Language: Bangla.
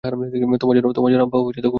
তোমার জন্য আম্মু খুব পেরেশানিতে থাকে!